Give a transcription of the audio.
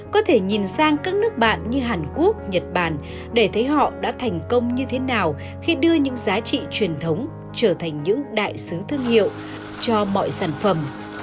có thể nhìn sang các nước bạn như hàn quốc nhật bản để thấy họ đã thành công như thế nào khi đưa những giá trị truyền thống trở thành những đại sứ thương hiệu cho mọi sản phẩm